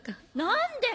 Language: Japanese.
何で？